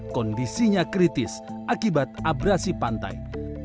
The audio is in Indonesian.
kondisinya kritis akibat abrasi pantai